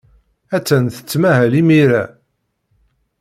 Attan tettmahal imir-a.